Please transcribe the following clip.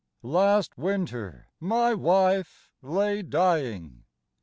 *' Last winter my wife lay dying.